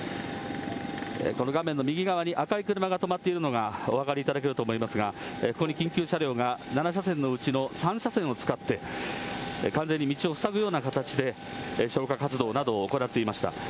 この画面の右側に赤い車が止まっているのがお分かりいただけると思いますが、ここに緊急車両が７車線のうちの３車線を使って、完全に道を塞ぐような形で消火活動などを行っていました。